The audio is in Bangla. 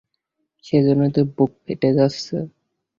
সেইজন্যেই তো বুক ফেটে যাচ্ছে।